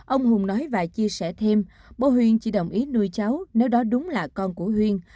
ông hùng nói và chia sẻ thêm bố huyên chỉ đồng ý nuôi cháu nếu đó đúng là con của huyền